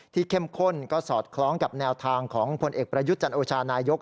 เข้มข้นก็สอดคล้องกับแนวทางของผลเอกประยุทธ์จันโอชานายก